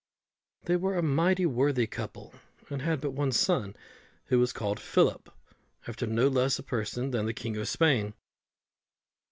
They were a mighty worthy couple, and had but one son, who was called Philip, after no less a person than the King of Spain.